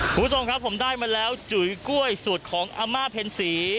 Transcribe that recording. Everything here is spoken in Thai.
คุณผู้ชมครับผมได้มาแล้วจุ๋ยกล้วยสูตรของอาม่าเพ็ญศรี